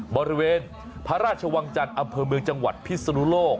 บริเวณพระราชวังจันทร์อำเภอเมืองจังหวัดพิศนุโลก